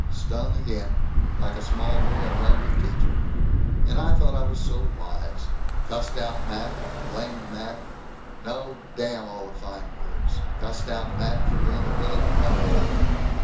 Stung again! Like a small boy in love with teacher. And I thought I was so wise! Cussed out Mac blamed Mac no, damn all the fine words cussed out Mac for being the village rumhound.